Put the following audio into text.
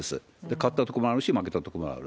勝ったところもあるし、負けたところもある。